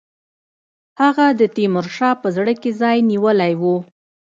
هغه د تیمورشاه په زړه کې ځای نیولی وو.